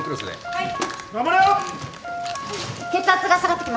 ・はい。